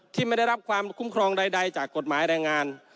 ไม่ได้รับความคุ้มครองใดจากกฎหมายแรงงาน